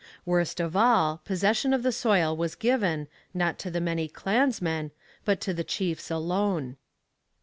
Worst of all, possession of the soil was given, not to the many clansmen, but to the chiefs alone.